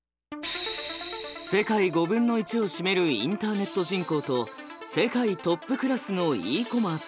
世界５分の１を占めるインターネット人口と世界トップクラスのＥコマース。